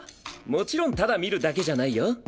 もちろんただ見るだけじゃないよ。